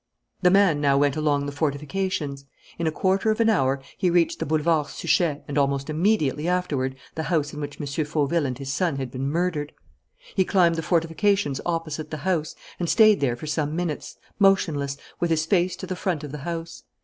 The man now went along the fortifications. In a quarter of an hour he reached the Boulevard Suchet and almost immediately afterward the house in which M. Fauville and his son had been murdered. He climbed the fortifications opposite the house and stayed there for some minutes, motionless, with his face to the front of the house.